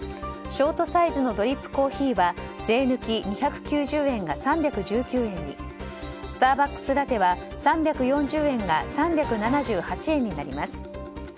ショートサイズのドリップコーヒーは税抜き２９０円が３１９円にスターバックスラテは３４０円が３７８円になります。